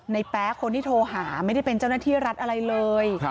แป๊ะคนที่โทรหาไม่ได้เป็นเจ้าหน้าที่รัฐอะไรเลย